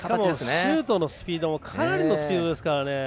シュートのスピードもかなりのスピードですからね。